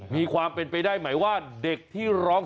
มีความเป็นไปได้หมายว่าเด็กที่ร้อง